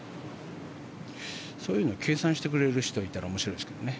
そういうのを計算してくれる人がいたら面白いですけど。